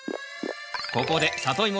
ここでサトイモ